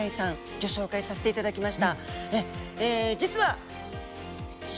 ギョ紹介させていただきました。